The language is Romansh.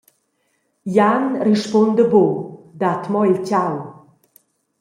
Jan rispunda buc, dat mo il tgau.